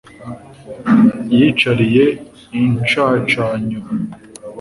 yicariye incacanyo